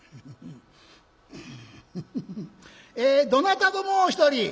「えどなたぞもう一人」。